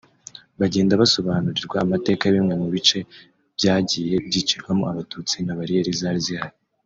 bagenda basobanurirwa amateka ya bimwe mu bice byagiye byicirwaho Abatutsi na bariyeri zari zihari